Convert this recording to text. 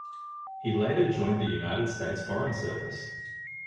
He later joined the United States Foreign Service.